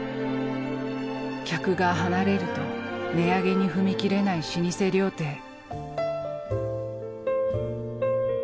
客が離れると値上げに踏み切れない老舗料亭。